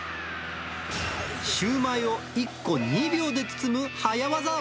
シューマイを１個２秒で包む早業。